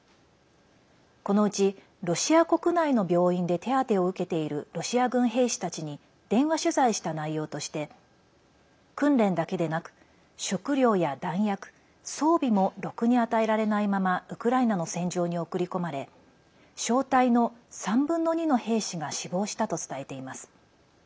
このうち、ロシア国内の病院で手当てを受けているロシア軍兵士たちに電話取材した内容として訓練だけでなく食料や弾薬装備もろくに与えられないままウクライナの戦場に送り込まれ小隊の３分の２の兵士が死亡したと伝えています。